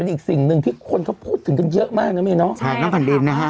เป็นอีกสิ่งหนึ่งที่คนเขาพูดถึงกันเยอะมากนะไหมเนอะใช่ครับค่ะค่ะ